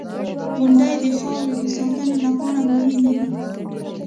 • غونډۍ د خاورو د ساتنې لپاره مهمې دي.